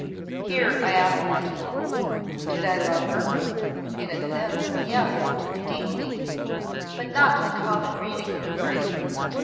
Here I ask myself Did I love her? In a sense, yes, deeply, but not in the common reading of the phrase.